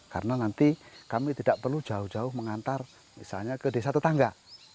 karena nanti kami tidak perlu jauh jauh mengantar misalnya ke desa tetangga